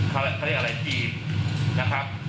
เขาเรียกอะไรจีบนะครับ